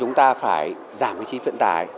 giảm chi phí vận tải